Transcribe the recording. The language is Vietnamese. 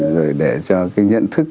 rồi để cho cái nhận thức